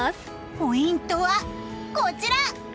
ポイントはこちら！